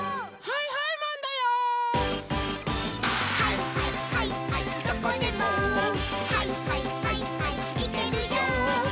「はいはいはいはいマン」